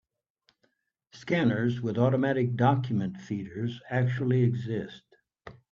Scanners with automatic document feeders actually exist.